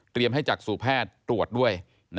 เตรียมให้จักษุแพทย์ตรวจด้วย